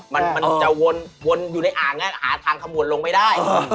มันจะวนอยู่ในอ่างนั้นหาทางขมวลลงไปได้